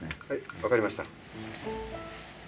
はい分かりました。